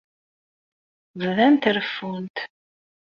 Bdant reffunt.